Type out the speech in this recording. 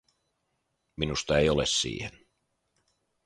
Minusta ei ole siihen.